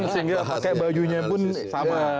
sehingga pakai bajunya pun sama